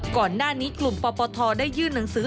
ก่อนหน้านี้กลุ่มปปทได้ยื่นหนังสือ